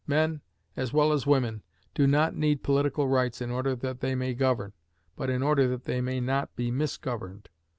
Men, as well as women, do not need political rights in order that they may govern, but in order that they may not be misgoverned.